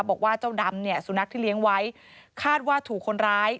บอกว่าเจ้าดำเนี่ยสุนัขที่เลี้ยงไว้คาดว่าถูกคนร้าย